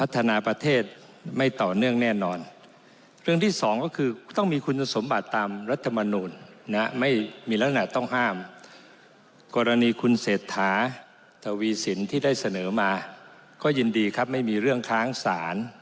ได้เสนอมาก็ยินดีครับไม่มีเรื่องค้างศาล